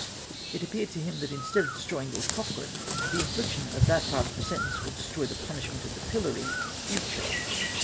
It appeared to him that instead of destroying Lord Cochrane, the infliction of that part of tlie sentence would destroy the punishment of the pillory for the future.